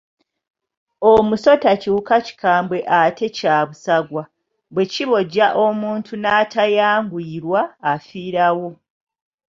Omusota kiwuka kikambwe ate kya busagwa, bwe kibojja omuntu n’atayanguyirwa afiirawo.